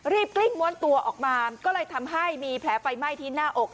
กลิ้งม้วนตัวออกมาก็เลยทำให้มีแผลไฟไหม้ที่หน้าอก